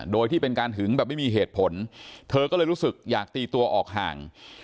โดยที่เป็นการหึงแบบไม่มีเหตุผลเธอก็เลยรู้สึกอยากตีตัวออกห่าง